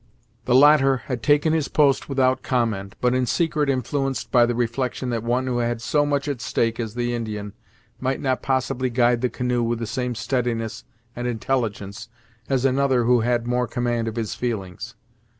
The latter had taken his post without comment, but in secret influenced by the reflection that one who had so much at stake as the Indian, might not possibly guide the canoe with the same steadiness and intelligence, as another who had more command of his feelings.